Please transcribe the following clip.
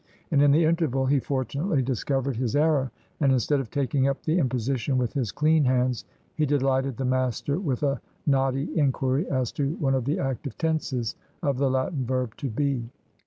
And in the interval he fortunately discovered his error, and instead of taking up the imposition with his clean hands, he delighted the master with a knotty inquiry as to one of the active tenses of the Latin verb "To be."